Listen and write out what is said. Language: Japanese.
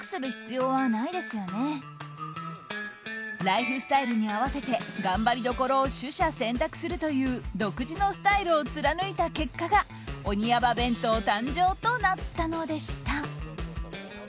ライフスタイルに合わせて頑張りどころを取捨選択するという独自のスタイルを貫いた結果が鬼ヤバ弁当誕生となったのでした。